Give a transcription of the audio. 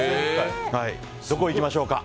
どこ行きましょうか？